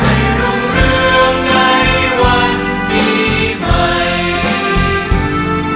ให้รุ่งเรื่องในวันนี้ใหม่